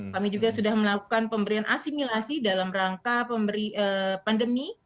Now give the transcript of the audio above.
kami juga sudah melakukan pemberian asimilasi dalam rangka pandemi